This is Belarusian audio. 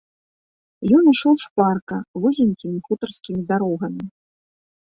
Ён ішоў шпарка вузенькімі хутарскімі дарогамі.